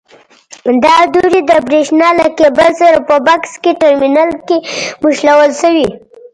دا دورې د برېښنا له کېبل سره په بکس ټرمینل کې نښلول شوي.